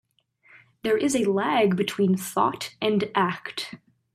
There is a lag between thought and act.